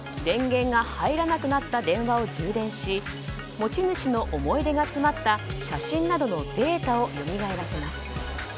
電源が入らなくなった電話を充電し持ち主の思い出が詰まった写真などのデータをよみがえらせます。